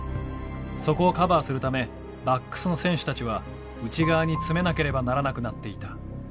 そこをカバーするためバックスの選手たちは内側に詰めなければならなくなっていた。